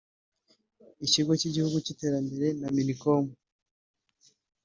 Ikigo cy’Igihugu cy’iterambere na Minicom